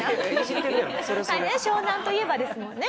湘南といえばですもんね。